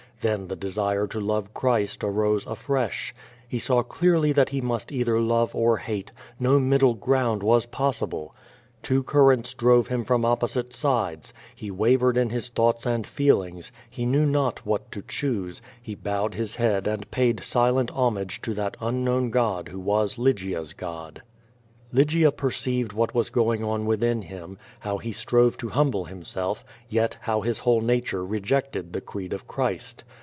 Then the desire to love Christ arose afresh. • He saw clearly that he must either love or hate, no middle ground was possible. Two currents drove him from opposite sides, he wavered in his thoughts and feelings, he knew not what to choose, he bowed his liead and paid silent homage to that unknown Qod who was Lygia's Qod« QUO VADI8. 215 Lygia perceived what was going on within him; how he strove to humble himself, yet how his whole nature rejected the creed of Christ.